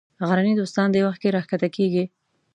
غرني دوستان دې وخت کې راکښته کېږي.